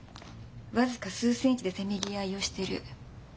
僅か数センチでせめぎ合いをしてる。